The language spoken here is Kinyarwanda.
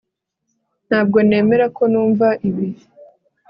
ntabwo nemera ko numva ibi